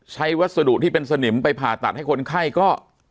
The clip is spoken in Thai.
วัสดุที่เป็นสนิมไปผ่าตัดให้คนไข้ก็